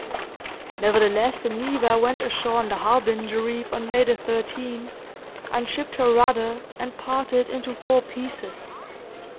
Nevertheless, the 'Neva' went ashore on the Harbinger reef, on May 13th unshipped her rudder and parted into four pieces.